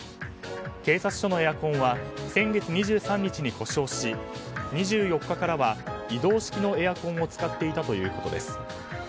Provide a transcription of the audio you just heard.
警察署のエアコンは先月２３日に故障し２４日からは移動式のエアコンを使っていたということです。